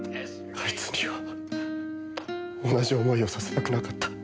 あいつには同じ思いをさせたくなかった。